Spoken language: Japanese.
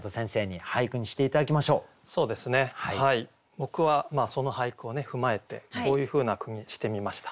僕はその俳句を踏まえてこういうふうな句にしてみました。